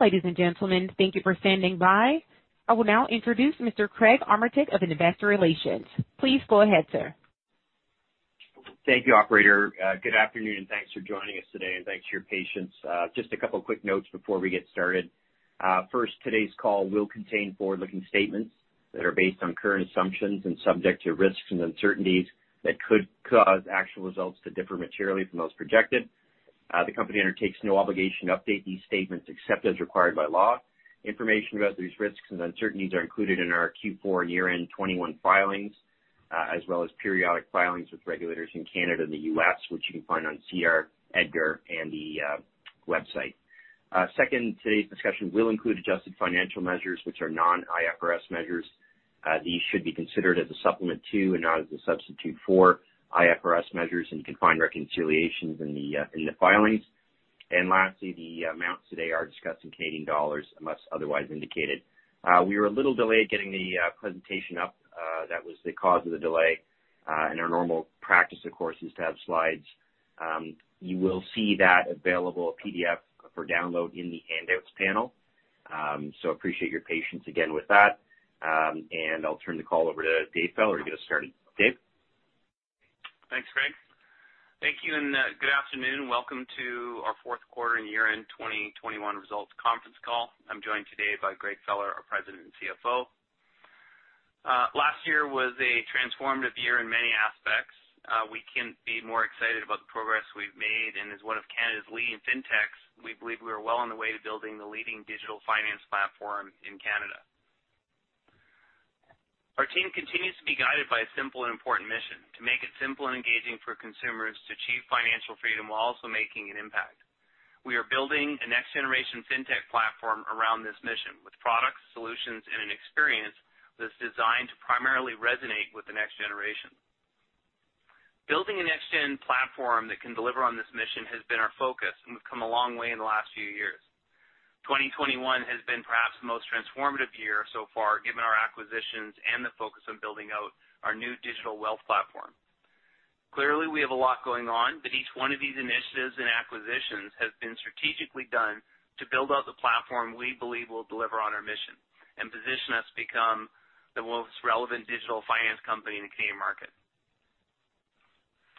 Ladies and gentlemen, thank you for standing by. I will now introduce Mr. Craig Armitage of Investor Relations. Please go ahead, sir. Thank you, operator. Good afternoon, and thanks for joining us today, and thanks for your patience. Just a couple quick notes before we get started. Today's call will contain forward-looking statements that are based on current assumptions and subject to risks and uncertainties that could cause actual results to differ materially from those projected. The company undertakes no obligation to update these statements except as required by law. Information about these risks and uncertainties are included in our Q4 year-end 2021 filings, as well as periodic filings with regulators in Canada and the U.S., which you can find on SEDAR, EDGAR, and the website. Today's discussion will include adjusted financial measures, which are non-IFRS measures. These should be considered as a supplement to and not as a substitute for IFRS measures and can find reconciliations in the filings. Lastly, the amounts today are discussed in Canadian dollars, unless otherwise indicated. We were a little delayed getting the presentation up. That was the cause of the delay. Our normal practice, of course, is to have slides. You will see that available PDF for download in the Handouts panel. So appreciate your patience again with that. I'll turn the call over to David Feller to get us started. Dave? Thanks, Craig. Thank you. Good afternoon. Welcome to our fourth quarter and year-end 2021 results conference call. I'm joined today by Gregory Feller, our President and CFO. Last year was a transformative year in many aspects. We can't be more excited about the progress we've made. As one of Canada's leading fintechs, we believe we are well on the way to building the leading digital finance platform in Canada. Our team continues to be guided by a simple important mission: to make it simple and engaging for consumers to achieve financial freedom while also making an impact. We are building a next-generation fintech platform around this mission with products, solutions, and an experience that's designed to primarily resonate with the next generation. Building a next-gen platform that can deliver on this mission has been our focus, and we've come a long way in the last few years. 2021 has been perhaps the most transformative year so far, given our acquisitions and the focus on building out our new digital wealth platform. Clearly, we have a lot going on, but each one of these initiatives and acquisitions has been strategically done to build out the platform we believe will deliver on our mission and position us to become the world's relevant digital finance company in the Canadian market.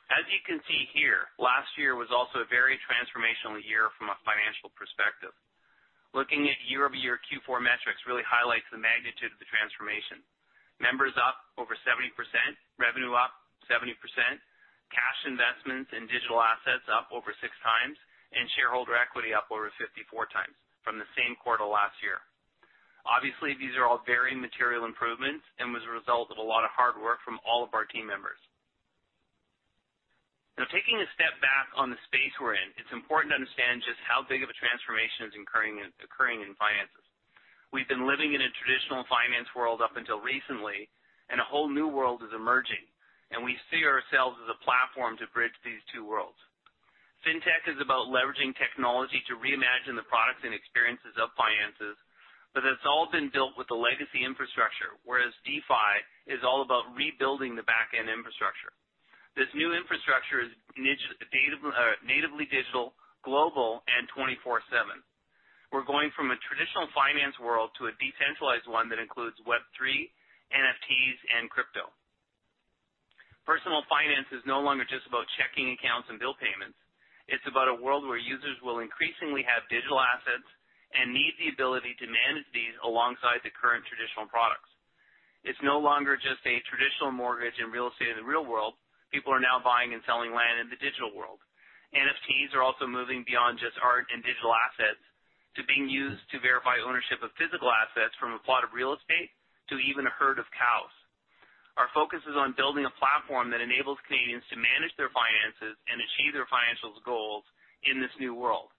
As you can see here, last year was also a very transformational year from a financial perspective. Looking at year-over-year Q4 metrics really highlights the magnitude of the transformation. Members up over 70%, revenue up 70%, cash investments and digital assets up over six times, and shareholder equity up over 54x from the same quarter last year. Obviously, these are all very material improvements and was a result of a lot of hard work from all of our team members. Taking a step back on the space we're in, it's important to understand just how big of a transformation is occurring in finances. We've been living in a traditional finance world up until recently, a whole new world is emerging, and we see ourselves as a platform to bridge these two worlds. Fintech is about leveraging technology to reimagine the products and experiences of finances, but it's all been built with the legacy infrastructure, whereas DeFi is all about rebuilding the back-end infrastructure. This new infrastructure is natively digital, global, and 24/7. We're going from a traditional finance world to a decentralized one that includes Web3, NFTs, and crypto. Personal finance is no longer just about checking accounts and bill payments. It's about a world where users will increasingly have digital assets and need the ability to manage these alongside the current traditional products. It's no longer just a traditional mortgage and real estate in the real world. People are now buying and selling land in the digital world. NFTs are also moving beyond just art and digital assets to being used to verify ownership of physical assets from a plot of real estate to even a herd of cows. Our focus is on building a platform that enables Canadians to manage their finances and achieve their financial goals in this new world.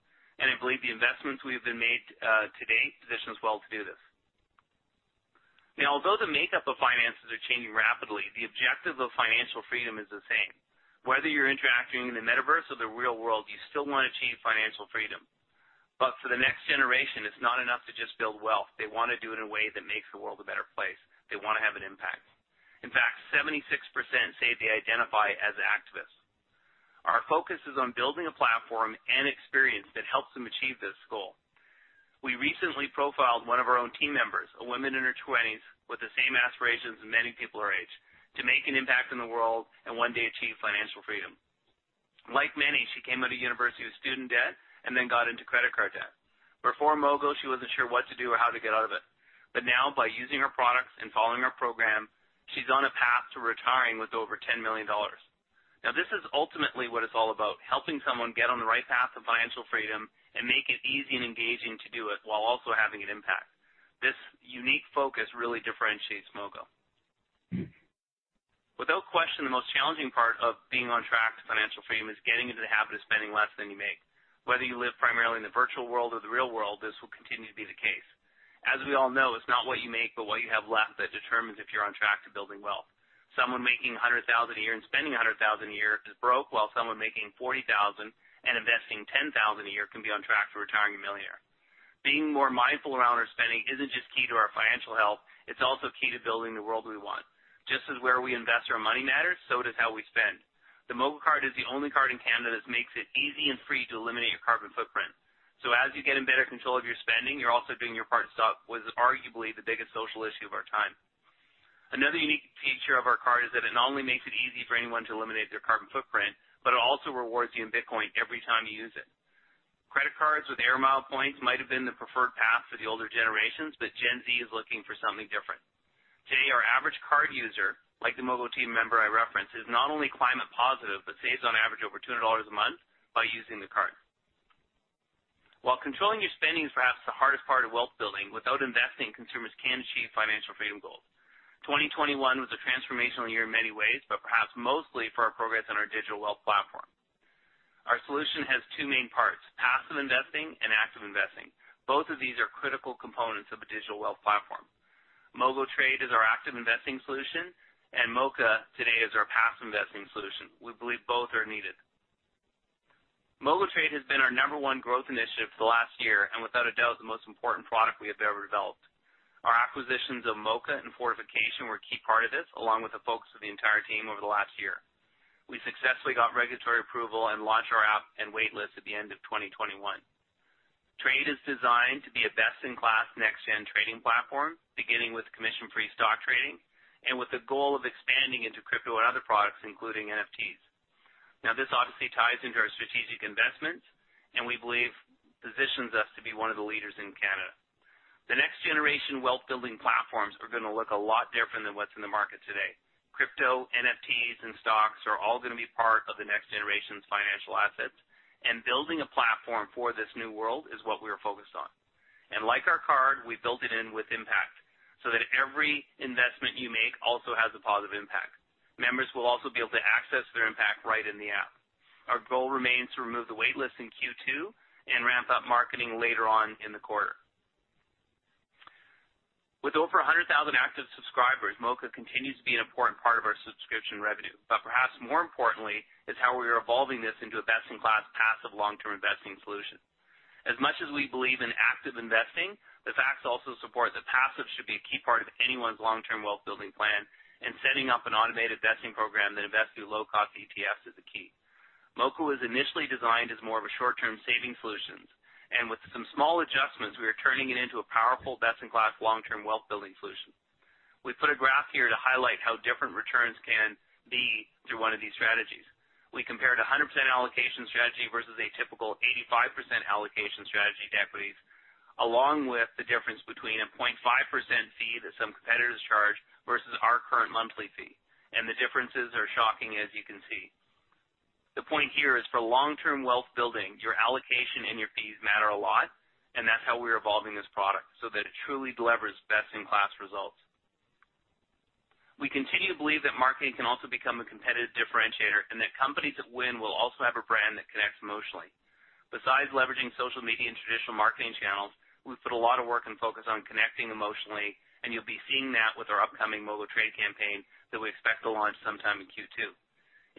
I believe the investments we've made to date positions well to do this. Now, although the makeup of finances are changing rapidly, the objective of financial freedom is the same. Whether you're interacting in the metaverse or the real world, you still want to achieve financial freedom. For the next generation, it's not enough to just build wealth. They want to do it in a way that makes the world a better place. They want to have an impact. In fact, 76% say they identify as activists. Our focus is on building a platform and experience that helps them achieve this goal. We recently profiled one of our own team members, a woman in her 20s with the same aspirations as many people her age, to make an impact in the world and one day achieve financial freedom. Like many, she came out of university with student debt and then got into credit card debt. Before Mogo, she wasn't sure what to do or how to get out of it. Now, by using our products and following our program, she's on a path to retiring with over 10 million dollars. Now, this is ultimately what it's all about, helping someone get on the right path to financial freedom and make it easy and engaging to do it while also having an impact. This unique focus really differentiates Mogo. Without question, the most challenging part of being on track to financial freedom is getting into the habit of spending less than you make. Whether you live primarily in the virtual world or the real world, this will continue to be the case. As we all know, it's not what you make, but what you have left that determines if you're on track to building wealth. Someone making 100,000 a year and spending 100,000 a year is broke, while someone making 40,000 and investing 10,000 a year can be on track to retiring a millionaire. Being more mindful around our spending isn't just key to our financial health, it's also key to building the world we want. Just as where we invest our money matters, so does how we spend. The MogoCard is the only card in Canada that makes it easy and free to eliminate your carbon footprint. As you get in better control of your spending, you're also doing your part to stop what is arguably the biggest social issue of our time. Another unique feature of our card is that it not only makes it easy for anyone to eliminate their carbon footprint, but it also rewards you in Bitcoin every time you use it. Credit cards with air mile points might have been the preferred path for the older generations, Gen Z is looking for something different. Today, our average card user, like the Mogo team member I referenced, is not only climate positive, but saves on average over 2 dollars a month by using the card. While controlling your spending is perhaps the hardest part of wealth building, without investing, consumers can achieve financial freedom goals. 2021 was a transformational year in many ways, but perhaps mostly for our progress on our digital wealth platform. Our solution has two main parts, passive investing and active investing. Both of these are critical components of a digital wealth platform. MogoTrade is our active investing solution, and Moka today is our passive investing solution. We believe both are needed. MogoTrade has been our number one growth initiative for the last year, and without a doubt, the most important product we have ever built. Our acquisitions of Moka and Fortification were a key part of this, along with the focus of the entire team over the last year. We successfully got regulatory approval and launched our app and wait list at the end of 2021. MogoTrade is designed to be a best-in-class, next-gen trading platform, beginning with commission-free stock trading, and with the goal of expanding into crypto and other products, including NFTs. Now, this obviously ties into our strategic investments, and we believe positions us to be one of the leaders in Canada. The next generation wealth building platforms are going to look a lot different than what's in the market today. Crypto, NFTs, and stocks are all going to be part of the next generation's financial assets, and building a platform for this new world is what we are focused on. Like our card, we built it in with impact, so that every investment you make also has a positive impact. Members will also be able to access their impact right in the app. Our goal remains to remove the wait list in Q2 and ramp up marketing later on in the quarter. With over 100,000 active subscribers, Moka continues to be an important part of our subscription revenue. Perhaps more importantly, is how we are evolving this into a best-in-class passive long-term investing solution. As much as we believe in active investing, the facts also support that passive should be a key part of anyone's long-term wealth building plan, and setting up an automated investing program that invests in low-cost ETFs is the key. Moka was initially designed as more of a short-term savings solution, and with some small adjustments, we are turning it into a powerful best-in-class long-term wealth building solution. We put a graph here to highlight how different returns can be through one of these strategies. We compared 100% allocation strategy versus a typical 85% allocation strategy to equities, along with the difference between a 0.5% fee that some competitors charge versus our current monthly fee. The differences are shocking, as you can see. The point here is for long-term wealth building, your allocation and your fees matter a lot, and that's how we are evolving this product, so that it truly delivers best-in-class results. We continue to believe that marketing can also become a competitive differentiator, and that companies that win will also have a brand that connects emotionally. Besides leveraging social media and traditional marketing channels, we've put a lot of work and focus on connecting emotionally, and you'll be seeing that with our upcoming MogoTrade campaign that we expect to launch sometime in Q2.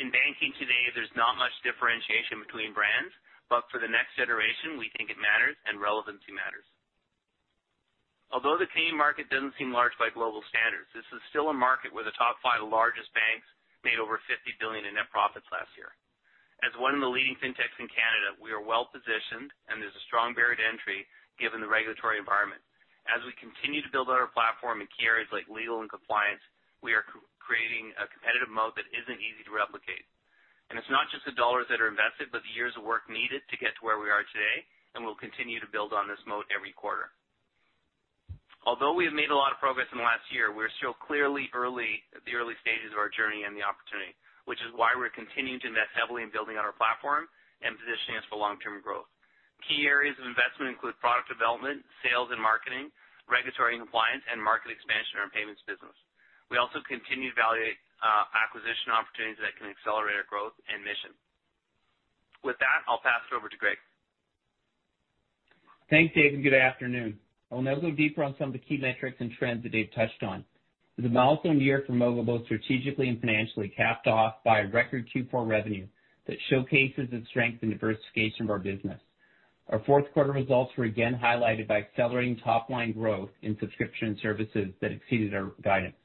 In banking today, there's not much differentiation between brands, but for the next generation, we think it matters and relevancy matters. Although the Canadian market doesn't seem large by global standards, this is still a market where the top five largest banks made over 50 billion in net profits last year. As one of the leading fintechs in Canada, we are well-positioned, and there's a strong barrier to entry given the regulatory environment. As we continue to build out our platform in key areas like legal and compliance, we are creating a competitive moat that isn't easy to replicate. It's not just the dollars that are invested, but the years of work needed to get to where we are today, and we'll continue to build on this moat every quarter. Although we've made a lot of progress in the last year, we're still clearly at the early stages of our journey and the opportunity, which is why we're continuing to invest heavily in building our platform and positioning us for long-term growth. Key areas of investment include product development, sales and marketing, regulatory and compliance, and market expansion of our payments business. We also continue to evaluate acquisition opportunities that can accelerate our growth and mission. With that, I'll pass it over to Greg. Thanks, Dave, and good afternoon. I want to go deeper on some of the key metrics and trends that Dave touched on. It was a milestone year for Mogo both strategically and financially, capped off by record Q4 revenue that showcases the strength and diversification of our business. Our fourth quarter results were again highlighted by accelerating top-line growth in subscription services that exceeded our guidance.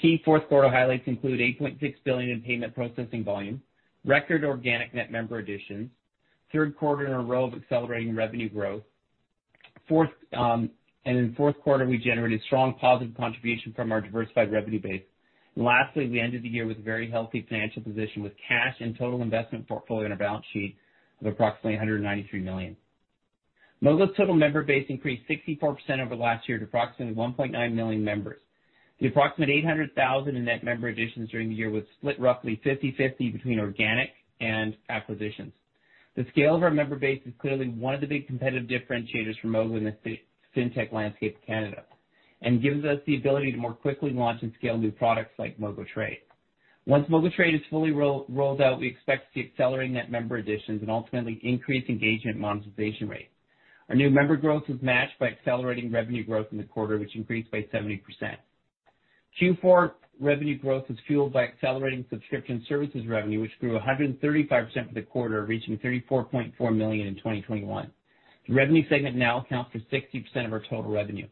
Key fourth quarter highlights include 8.6 billion in payment processing volume, record organic net member additions, third quarter in a row of accelerating revenue growth. In the fourth quarter, we generated strong positive contribution from our diversified revenue base. Lastly, we ended the year with a very healthy financial position with cash and total investment portfolio on our balance sheet of approximately 193 million. Mogo's total member base increased 64% over the last year to approximately 1.9 million members. The approximate 800,000 in net member additions during the year was split roughly 50/50 between organic and acquisitions. The scale of our member base is clearly one of the big competitive differentiators for Mogo in the fintech landscape of Canada, and gives us the ability to more quickly launch and scale new products like MogoTrade. Once MogoTrade is fully rolled out, we expect to see accelerating net member additions and ultimately increase engagement monetization rates. Our new member growth was matched by accelerating revenue growth in the quarter, which increased by 70%. Q4 revenue growth was fueled by accelerating subscription services revenue, which grew 135% for the quarter, reaching 34.4 million in 2021. The revenue segment now accounts for 60% of our total revenue.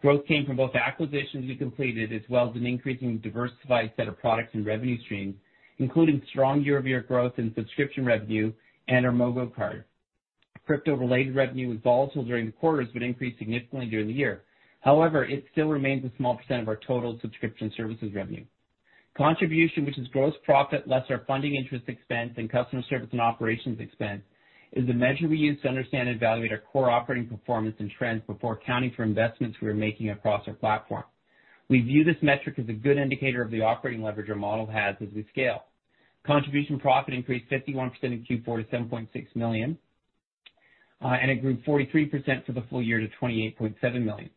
Growth came from both acquisitions we completed as well as an increasingly diversified set of products and revenue streams, including strong year-over-year growth in subscription revenue and our MogoCard. Crypto-related revenue was volatile during quarters but increased significantly year-over-year. However, it still remains a small % of our total subscription services revenue. Contribution, which is gross profit, less our funding interest expense and customer service and operations expense, is a measure we use to understand and evaluate our core operating performance and trends before accounting for investments we are making across our platform. We view this metric as a good indicator of the operating leverage our model has as we scale. Contribution profit increased 51% in Q4 to 7.6 million, and it grew 43% for the full year to 28.7 million.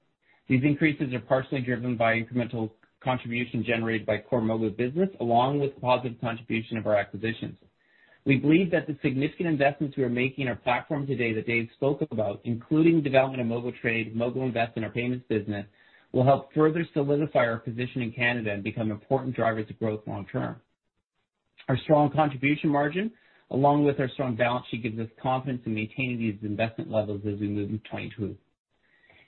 These increases are partially driven by incremental contribution generated by core Mogo business along with the positive contribution of our acquisitions. We believe that the significant investments we are making in our platform today that Dave spoke about, including the development of MogoTrade, MogoInvest in our payments business, will help further solidify our position in Canada and become important drivers of growth long term. Our strong contribution margin, along with our strong balance sheet, gives us confidence in maintaining these investment levels as we move into 2022.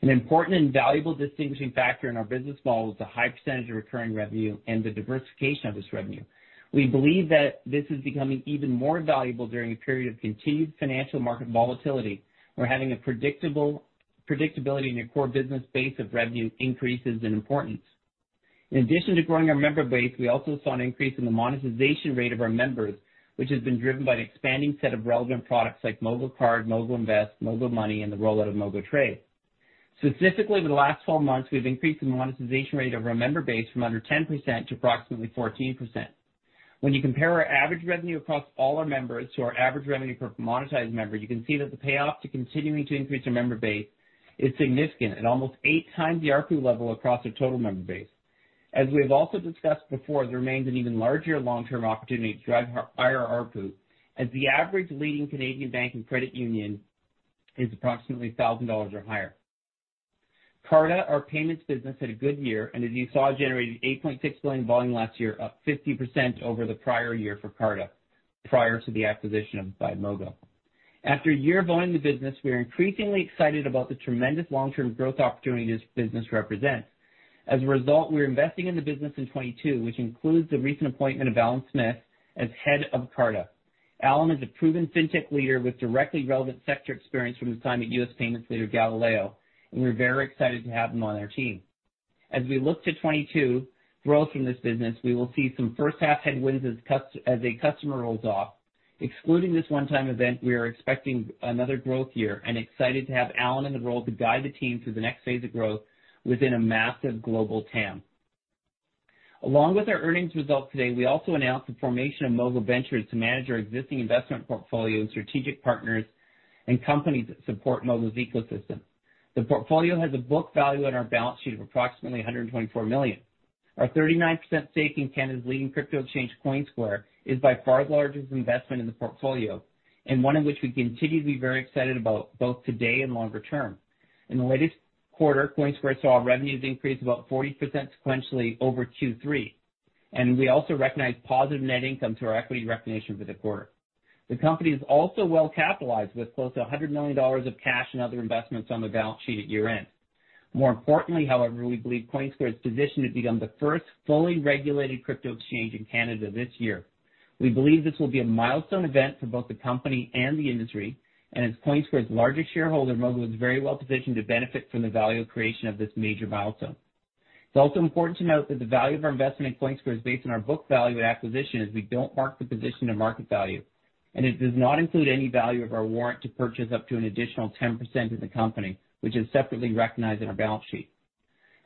An important and valuable distinguishing factor in our business model is the high percentage of returning revenue and the diversification of this revenue. We believe that this is becoming even more valuable during a period of continued financial market volatility, where having a predictability in your core business base of revenue increase is important. In addition to growing our member base, we also saw an increase in the monetization rate of our members, which has been driven by an expanding set of relevant products like MogoCard, MogoInvest, MogoMoney, and the rollout of MogoTrade. Specifically, in the last 12 months, we've increased the monetization rate of our member base from under 10% to approximately 14%. When you compare our average revenue across all our members to our average revenue per monetized member, you can see that the payoff to continuing to increase our member base is significant at almost eight times the ARPU level across our total member base. As we have also discussed before, there remains an even larger long-term opportunity to drive higher ARPU, as the average leading Canadian bank and credit union is approximately 1,000 dollars or higher. Carta, our payments business, had a good year, and as you saw, generated 8.6 million volume last year, up 50% over the prior year for Carta, prior to the acquisition by Mogo. After a year of owning the business, we are increasingly excited about the tremendous long-term growth opportunity this business represents. As a result, we are investing in the business in 2022, which includes the recent appointment of Allan Smith as head of Carta. Allan is a proven fintech leader with directly relevant sector experience from his time at U.S. payments leader Galileo, and we're very excited to have him on our team. As we look to 2022 growth in this business, we will see some first-half headwinds as a customer rolls off. Excluding this one-time event, we are expecting another growth year and excited to have Allan in the role to guide the team through the next phase of growth within a massive global TAM. Along with our earnings results today, we also announced the formation of Mogo Ventures to manage our existing investment portfolio in strategic partners and companies that support Mogo's ecosystem. The portfolio has a book value on our balance sheet of approximately 124 million. Our 39% stake in Canada's leading crypto exchange, Coinsquare, is by far the largest investment in the portfolio and one of which we continue to be very excited about, both today and longer term. In the latest quarter, Coinsquare saw revenues increase about 40% sequentially over Q3, and we also recognized positive net income through our equity recognition for the quarter. The company is also well-capitalized with close to 100 million dollars of cash and other investments on the balance sheet at year-end. More importantly, however, we believe Coinsquare is positioned to become the first fully regulated crypto exchange in Canada this year. We believe this will be a milestone event for both the company and the industry, and as Coinsquare's largest shareholder, Mogo is very well positioned to benefit from the value creation of this major milestone. It's also important to note that the value of our investment in Coinsquare is based on our book value at acquisition, as we don't mark the position to market value, and it does not include any value of our warrant to purchase up to an additional 10% of the company, which is separately recognized on our balance sheet.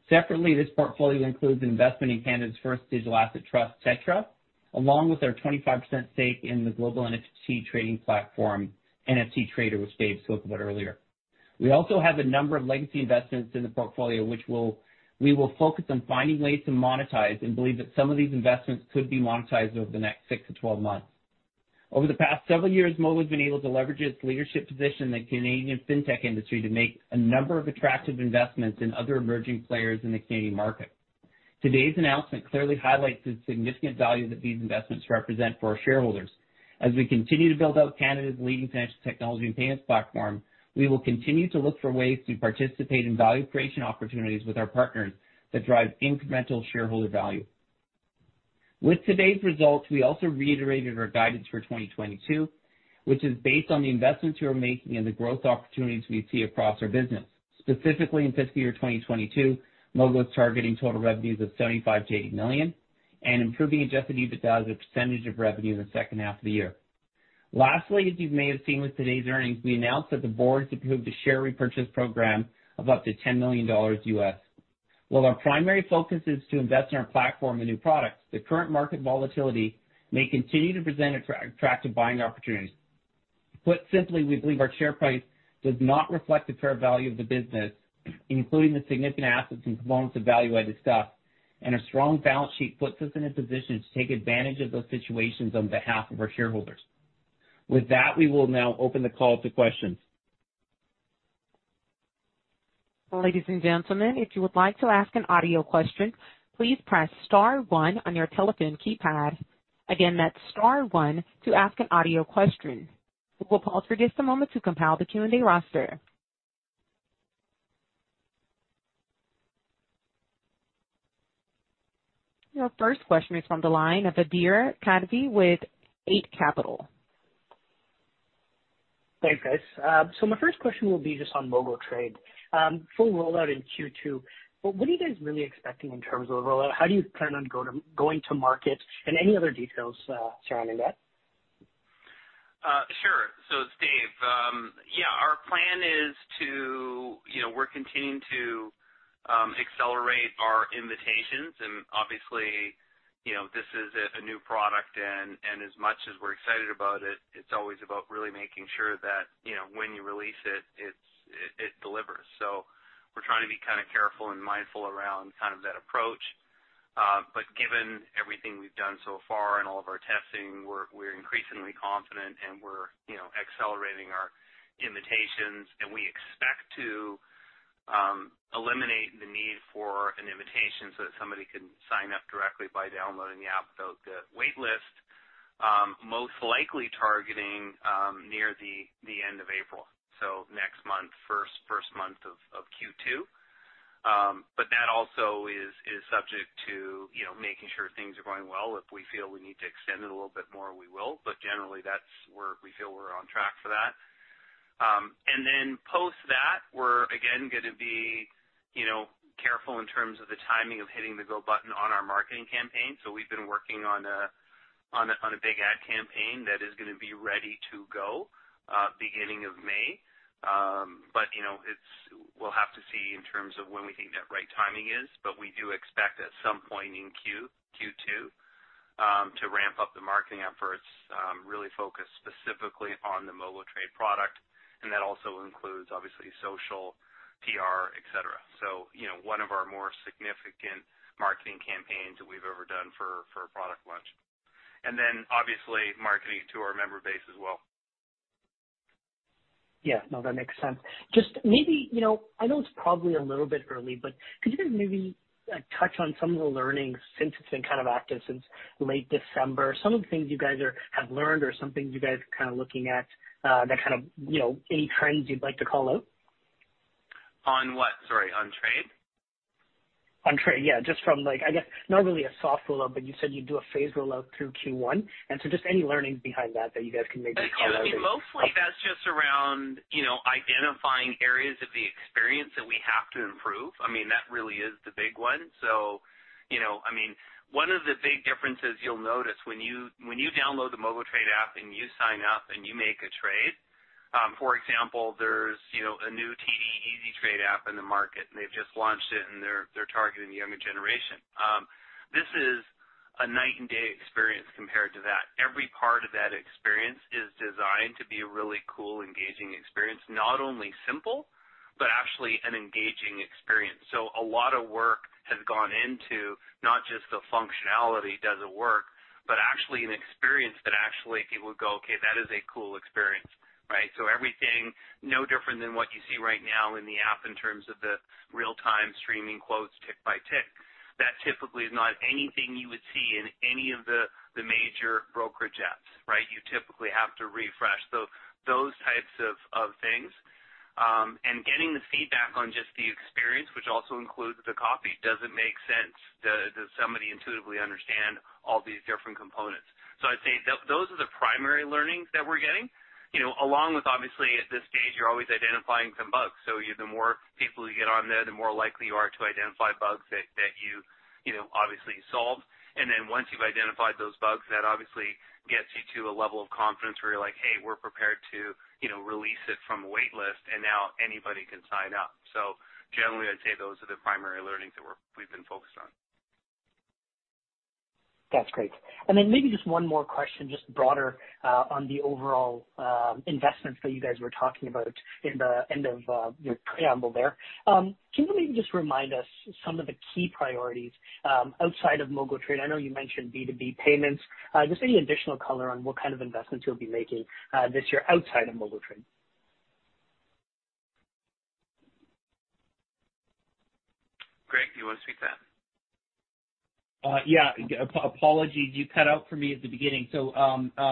Separately, this portfolio includes investment in Canada's first digital asset trust, Tetra Trust Company, along with our 25% stake in the global NFT trading platform, NFT Trader, which David Feller spoke about earlier. We also have a number of legacy investments in the portfolio which we will focus on finding ways to monetize and believe that some of these investments could be monetized over the next 6 to 12 months. Over the past several years, Mogo has been able to leverage its leadership position in the Canadian fintech industry to make a number of attractive investments in other emerging players in the Canadian market. Today's announcement clearly highlights the significant value that these investments represent for our shareholders. As we continue to build out Canada's leading financial technology and payments platform, we will continue to look for ways to participate in value creation opportunities with our partners that drive incremental shareholder value. With today's results, we also reiterated our guidance for 2022, which is based on the investments we are making and the growth opportunities we see across our business. Specifically, in fiscal year 2022, Mogo is targeting total revenues of 75 million to 80 million and improving adjusted EBITDA as a percentage of revenue in the second half of the year. Lastly, as you may have seen with today's earnings, we announced that the board has approved a share repurchase program of up to $10 million U.S. While our primary focus is to invest in our platform and new products, the current market volatility may continue to present attractive buying opportunities. Put simply, we believe our share price does not reflect the fair value of the business, including the significant assets and performance of value that we discussed. A strong balance sheet puts us in a position to take advantage of those situations on behalf of our shareholders. With that, we will now open the call to questions. Ladies and gentlemen, if you would like to ask an audio question, please press star one on your telephone keypad. Again, that's star one to ask an audio question. We will pause for just a moment to compile the community roster. Our first question is on the line, Adhir Kadve with Eight Capital. Thanks, guys. My first question will be just on MogoTrade. Full rollout in Q2, but what are you guys really expecting in terms of rollout? How do you plan on going to market and any other details surrounding that? Sure. It's David Feller. Our plan is we're continuing to accelerate our invitations. Obviously, this is a new product and as much as we're excited about it's always about really making sure that when you release it delivers. We're trying to be careful and mindful around that approach. Given everything we've done so far and all of our testing, we're increasingly confident, and we're accelerating our invitations, and we expect to eliminate the need for an invitation so that somebody can sign up directly by downloading the app without the wait list. Most likely targeting near the end of April. Next month, first month of Q2. That also is subject to making sure things are going well. If we feel we need to extend it a little bit more, we will, but generally that's where we feel we're on track for that. Then post that we're again going to be careful in terms of the timing of hitting the go button on our marketing campaign. We've been working on a big ad campaign that is going to be ready to go beginning of May. We'll have to see in terms of when we think that right timing is, but we do expect at some point in Q2 to ramp up the marketing efforts really focused specifically on the MogoTrade product, and that also includes obviously social, PR, et cetera. One of our more significant marketing campaigns that we've ever done for a product launch. Then obviously marketing to our member base as well. Yeah. No, that makes sense. Just maybe, I know it's probably a little bit early, but could you maybe touch on some of the learnings since it's been active since late December? Some of the things you guys have learned or some things you guys are looking at? Any trends you'd like to call out? On what? Sorry. On trade? On trade. Yeah, just from, I guess not really a soft rollout, but you said you'd do a phase rollout through Q1, and so just any learnings behind that you guys can maybe share? That's just around identifying areas of the experience that we have to improve. That really is the big one. One of the big differences you'll notice when you download the MogoTrade app and you sign up and you make a trade. For example, there's a new TD Easy Trade app in the market, and they've just launched it, and they're targeting the younger generation. This is a night and day experience compared to that. Every part of that experience is designed to be a really cool, engaging experience, not only simple, but actually an engaging experience. A lot of work has gone into not just the functionality, does it work? Actually an experience that actually people go, "Okay, that is a cool experience," right? Everything no different than what you see right now in the app in terms of the real-time streaming quotes tick by tick. That typically is not anything you would see in any of the major brokerages, right? You typically have to refresh. Those types of things. Getting the feedback on just the experience, which also includes the copy. Does it make sense? Does somebody intuitively understand all these different components? I'd say those are the primary learnings that we're getting. Along with obviously at this stage, you're always identifying some bugs. The more people who get on there, the more likely you are to identify bugs that you obviously solved. Once you've identified those bugs, that obviously gets you to a level of confidence where you're like, "Hey, we're prepared to release it from a wait list, and now anybody can sign up." Generally, I'd say those are the primary learnings that we've been focused on. That's great. Then maybe just one more question, just broader on the overall investment that you guys were talking about in the end of your preamble there. Can you maybe just remind us some of the key priorities outside of MogoTrade? I know you mentioned B2B payments. Just any additional color on what kind of investments you'll be making this year outside of MogoTrade. Greg, do you want to take that? Yeah. Apologies. You cut out for me at the beginning.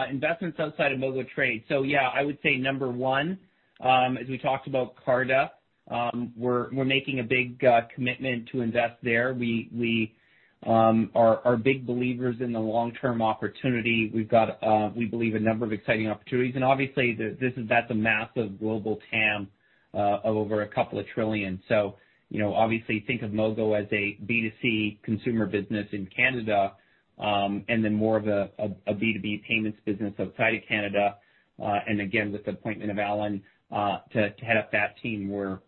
Investments outside of MogoTrade. Yeah, I would say number one, as we talked about Carta. We're making a big commitment to invest there. We are big believers in the long-term opportunity. We believe a number of exciting opportunities. Obviously that's a massive global TAM of over a couple of trillion. Obviously think of Mogo as a B2C consumer business in Canada, and then more of a B2B payments business outside of Canada. Again, with the appointment of Allan to head up that team, we're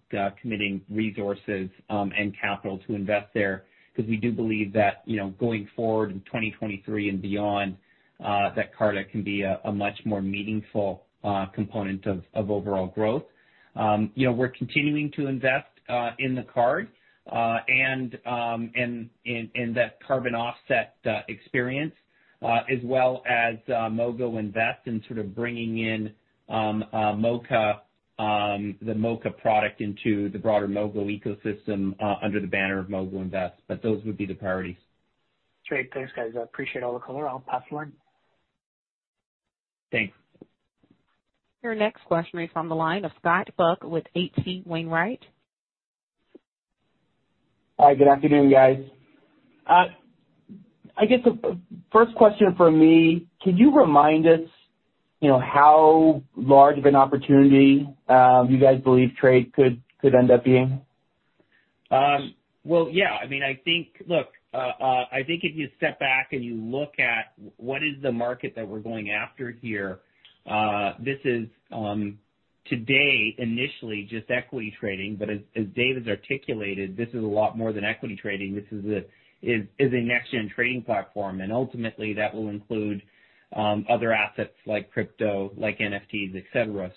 committing resources and capital to invest there because we do believe that going forward in 2023 and beyond, that Carta can be a much more meaningful component of overall growth. We're continuing to invest in the card, and that carbon offset experience, as well as MogoInvest and sort of bringing in the Moka product into the broader Mogo ecosystem under the banner of MogoInvest. Those would be the priorities. Great. Thanks, guys. I appreciate all the color. I'll pass one. Thanks. Your next question is from the line of Scott Buck with H.C. Wainwright. Hi, good afternoon, guys. I guess first question from me, could you remind us how large of an opportunity you guys believe Trade could end up being? Well, yeah. Look, I think if you step back and you look at what is the market that we're going after here, this is today initially just equity trading. As Dave has articulated, this is a lot more than equity trading. This is a next-gen trading platform. Ultimately that will include other assets like crypto, like NFTs, et cetera.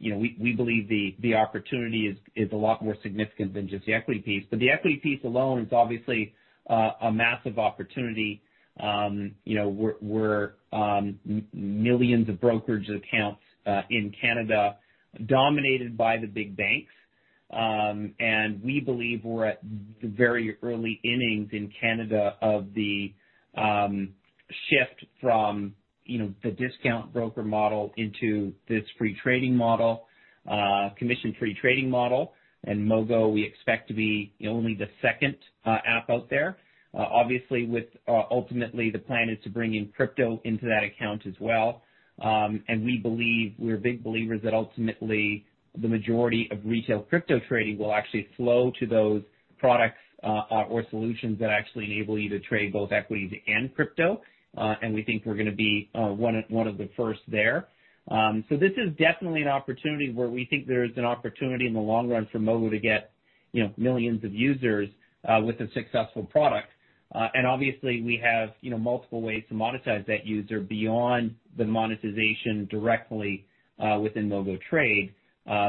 We believe the opportunity is a lot more significant than just the equity piece. The equity piece alone is obviously a massive opportunity. We're millions of brokerage accounts in Canada dominated by the big banks. We believe we're at the very early innings in Canada of the shift from the discount broker model into this commission-free trading model. Mogo, we expect to be only the second app out there. Obviously, ultimately the plan is to bring in crypto into that account as well. We're big believers that ultimately the majority of retail crypto trading will actually flow to those products or solutions that actually enable you to trade both equities and crypto. We think we're going to be one of the first there. This is definitely an opportunity where we think there's an opportunity in the long run for Mogo to get millions of users with a successful product. Obviously we have multiple ways to monetize that user beyond the monetization directly within MogoTrade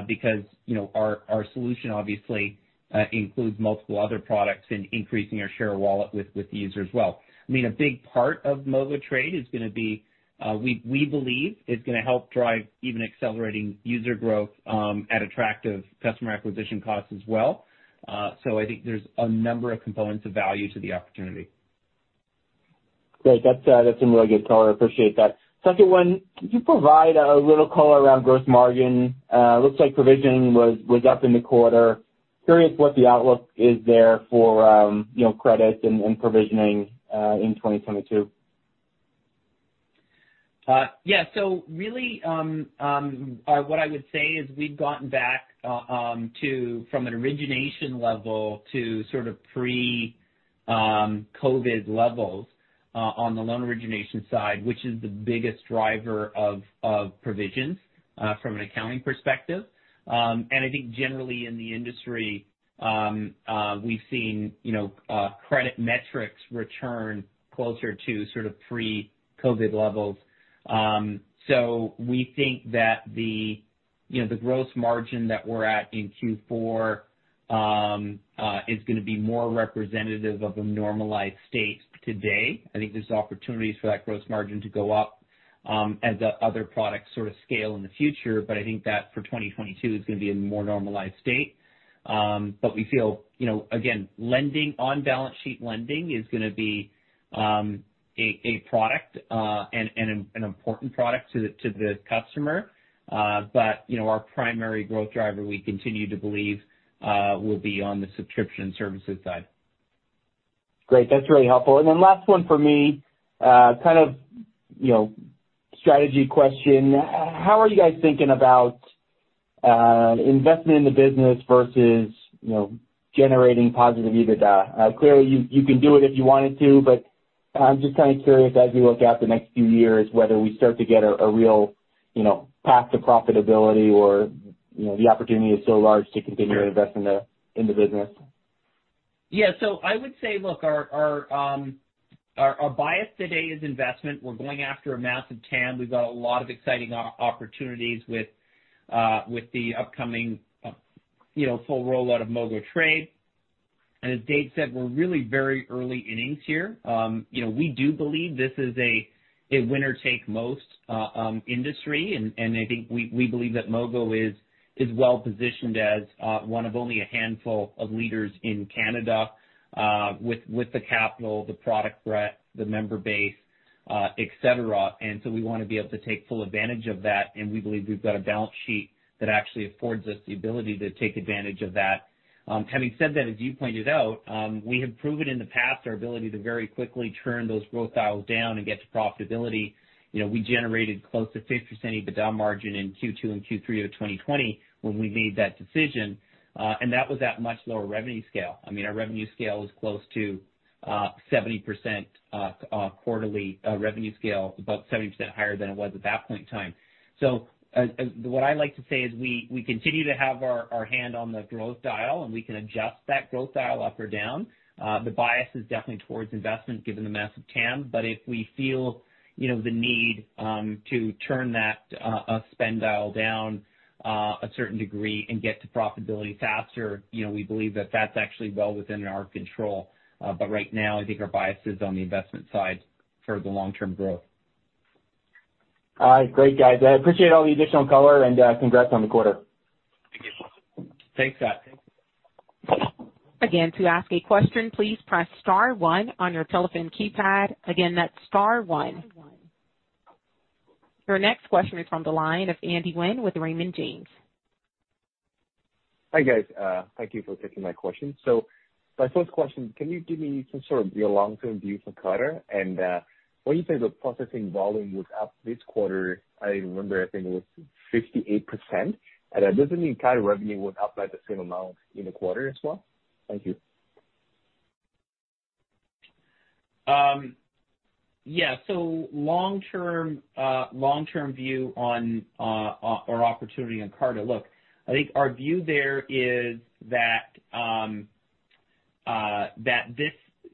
because our solution obviously includes multiple other products and increasing our share of wallet with the user as well. A big part of MogoTrade is going to be, we believe, is going to help drive even accelerating user growth at attractive customer acquisition costs as well. I think there's a number of components of value to the opportunity. Great. That's some really good color. I appreciate that. Second one, can you provide a little color around gross margin? Looks like provisioning was up in the quarter. Curious what the outlook is there for credit and provisioning in 2022. Yeah. Really, what I would say is we've gotten back from an origination level to sort of pre-COVID levels on the loan origination side, which is the biggest driver of provisions from an accounting perspective. I think generally in the industry we've seen credit metrics return closer to sort of pre-COVID levels. We think that the gross margin that we're at in Q4 is going to be more representative of a normalized state today. I think there's opportunities for that gross margin to go up as our other products sort of scale in the future. I think that for 2022 is going to be a more normalized state. We feel, again, on balance sheet lending is going to be an important product to the customer. Our primary growth driver, we continue to believe, will be on the subscription services side. Great. That's really helpful. Last one for me, kind of strategy question. How are you guys thinking about investment in the business versus generating positive EBITDA? Clearly, you can do it if you wanted to, but I'm just kind of curious, as we look out the next few years, whether we start to get a real path to profitability or the opportunity is so large to continue to invest in the business? I would say, look, our bias today is investment. We're going after a massive TAM. We've got a lot of exciting opportunities with the upcoming full rollout of MogoTrade. As Dave said, we're really very early innings here. We do believe this is a winner-take-most industry, and I think we believe that Mogo is well-positioned as one of only a handful of leaders in Canada with the capital, the product breadth, the member base, et cetera. We want to be able to take full advantage of that, and we believe we've got a balance sheet that actually affords us the ability to take advantage of that. Having said that, as you pointed out, we have proven in the past our ability to very quickly turn those growth dials down and get to profitability. We generated close to 50% EBITDA margin in Q2 and Q3 of 2020 when we made that decision. That was at much lower revenue scale. Our revenue scale was close to 70% quarterly revenue scale, about 70% higher than it was at that point in time. What I'd like to say is we continue to have our hand on the growth dial, and we can adjust that growth dial up or down. The bias is definitely towards investment given the massive TAM. If we feel the need to turn that spend dial down a certain degree and get to profitability faster, we believe that that's actually well within our control. Right now, I think our bias is on the investment side for the long-term growth. All right. Great, guys. I appreciate all the additional color and congrats on the quarter. Thanks, Scott. Again, to ask a question please press star one on your telephone keypad, again its star one. Your next question is on the line of Andy Nguyen with Raymond James. Hi, guys. Thank you for taking my question. My first question, can you give me some sort of your long-term view for Carta? When you say the processing volume was up this quarter, I remember I think it was 58%. Does that mean Carta revenue was up by the same amount in the quarter as well? Thank you. Yeah. Long-term view or opportunity on Carta. Look, I think our view there is that this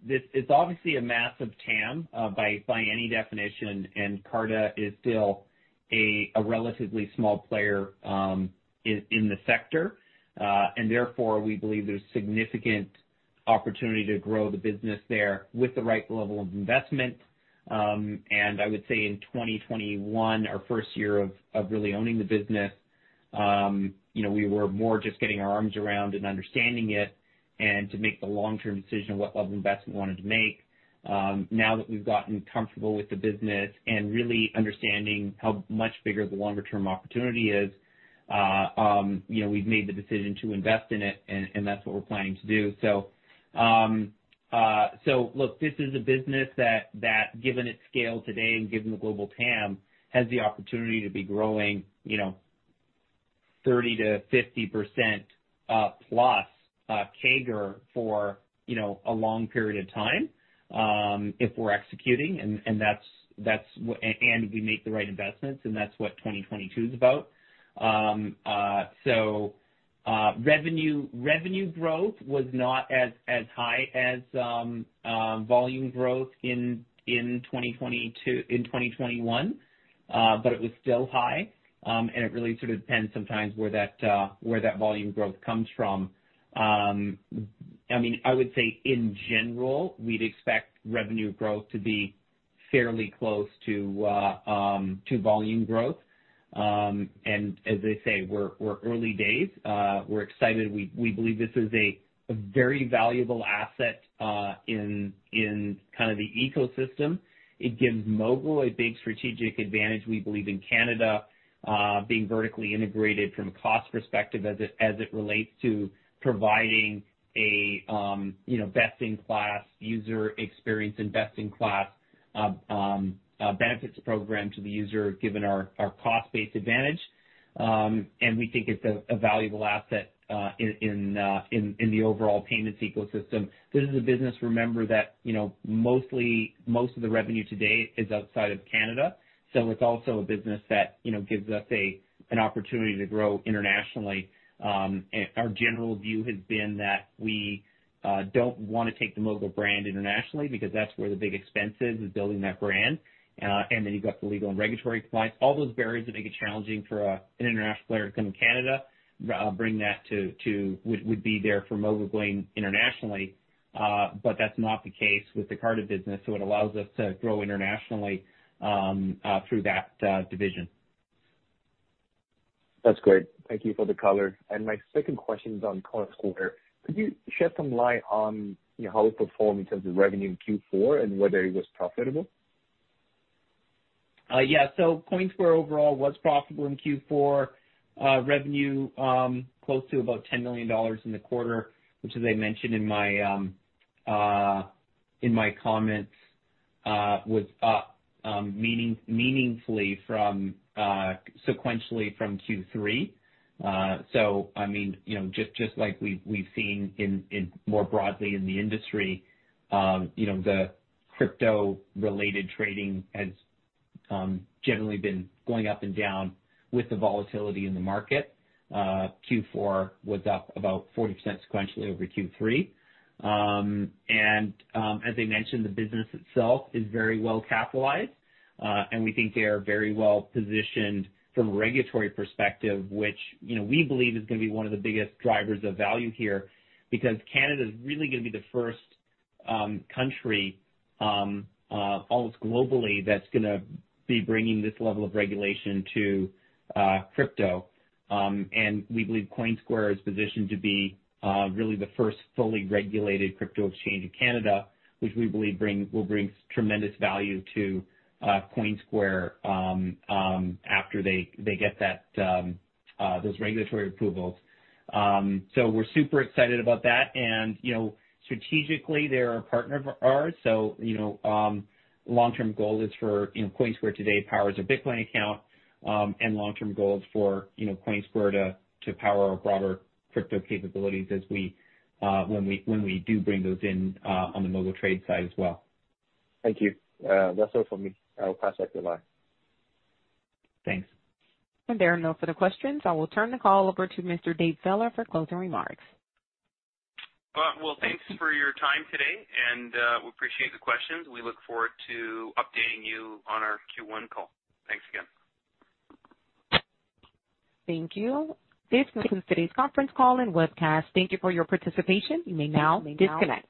is obviously a massive TAM by any definition, and Carta is still a relatively small player in the sector. Therefore, we believe there's significant opportunity to grow the business there with the right level of investment. I would say in 2021, our first year of really owning the business, we were more just getting our arms around and understanding it and to make the long-term decision of what level of investment we wanted to make. Now that we've gotten comfortable with the business and really understanding how much bigger the longer-term opportunity is, we've made the decision to invest in it, and that's what we're planning to do. Look, this is a business that given its scale today and given the global TAM, has the opportunity to be growing 30% to 50% plus CAGR for a long period of time if we're executing and if we make the right investments, and that's what 2022 is about. Revenue growth was not as high as volume growth in 2021. It was still high. It really sort of depends sometimes where that volume growth comes from. I would say in general, we'd expect revenue growth to be fairly close to volume growth. As I say, we're early days. We're excited. We believe this is a very valuable asset in the ecosystem. It gives Mogo a big strategic advantage, we believe, in Canada, being vertically integrated from a cost perspective as it relates to providing a best-in-class user experience and best-in-class benefits program to the user, given our cost base advantage. We think it's a valuable asset in the overall payments ecosystem. This is a business, remember that most of the revenue today is outside of Canada. It's also a business that gives us an opportunity to grow internationally. Our general view has been that we don't want to take the Mogo brand internationally because that's where the big expense is building that brand. Then you've got the legal and regulatory fight, all those barriers that make it challenging for an international player to come to Canada would be there for Mogo going internationally. That's not the case with the Carta business. It allows us to grow internationally through that division. That's great. Thank you for the color. My second question is on Coinsquare. Could you shed some light on how it performed in terms of revenue in Q4 and whether it was profitable? Coinsquare overall was profitable in Q4. Revenue close to about 10 million dollars in the quarter, which as I mentioned in my comments, was up meaningfully sequentially from Q3. Just like we've seen more broadly in the industry, the crypto-related trading has generally been going up and down with the volatility in the market. Q4 was up about 40% sequentially over Q3. As I mentioned, the business itself is very well capitalized. We think they are very well-positioned from a regulatory perspective, which we believe is going to be one of the biggest drivers of value here because Canada's really going to be the first country almost globally that's going to be bringing this level of regulation to crypto. We believe Coinsquare is positioned to be really the first fully regulated crypto exchange in Canada, which we believe will bring tremendous value to Coinsquare after they get those regulatory approvals. We're super excited about that. Strategically, they're a partner of ours. Long-term goal is for Coinsquare today powers a Bitcoin account and long-term goal is for Coinsquare to power our broader crypto capabilities when we do bring those in on the MogoTrade side as well. Thank you. That's all for me. I will pass back to the line. Thanks. There are no further questions. I will turn the call over to Mr. David Feller for closing remarks. Well, thanks for your time today, and we appreciate the questions. We look forward to updating you on our Q1 call. Thanks again. Thank you. This concludes today's conference call and webcast. Thank you for your participation. You may now disconnect.